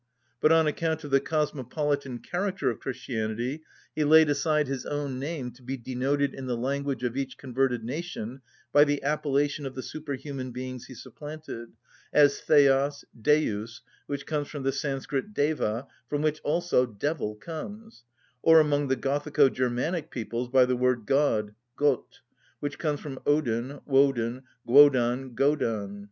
But on account of the cosmopolitan character of Christianity he laid aside his own name to be denoted in the language of each converted nation by the appellation of the superhuman beings he supplanted, as, Δεος, Deus, which comes from the Sanscrit Deva (from which also devil comes), or among the Gothico‐ Germanic peoples by the word God, Gott, which comes from Odin, Wodan, Guodan, Godan.